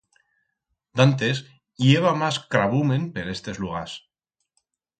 D'antes i heba mas crabumen per estes lugars.